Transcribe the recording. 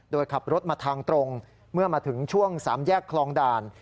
โดยขับรถมาทางตรงเมื่อมาถึงช่วง๓แยกคลองด่าน